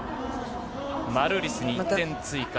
マルーリスに１点追加。